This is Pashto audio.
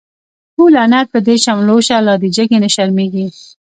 تو لعنت په دی شملو شه، لادی جگی نه شرمیږی